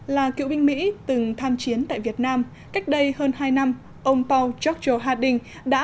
là cựu binh mỹ từng tham chiến tại việt nam cách đây hơn hai năm ông paukcho harding đã